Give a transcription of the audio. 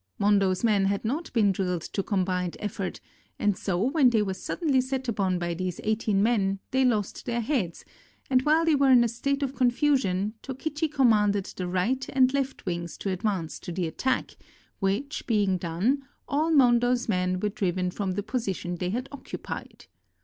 Hondo's men had not been drilled to combined effort, and so when they were suddenly set upon by these eighteen men, they lost their heads, and while they were in a state of con fusion, Tokichi commanded the right and left wings to advance to the attack; which being done, all Hondo's men were driven from the position they had occupied.